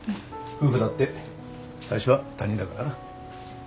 夫婦だって最初は他人だからな。